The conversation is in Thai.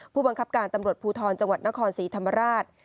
ผู้บังคับการตำรวจภูทรจังหวัดนครศรีธรรมราช